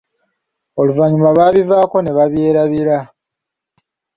Oluvannyuma baabivaako ne babyerabira.